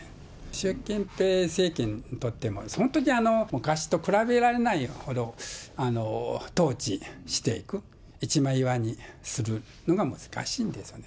習近平政権にとっても、そのとき、昔と比べられないほど統治していく、一枚岩にするのが難しいんですよね。